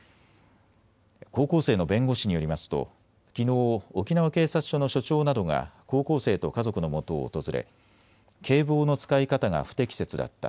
高校生の弁護士によりますときのう沖縄警察署の署長などが高校生と家族のもとを訪れ警棒の使い方が不適切だった。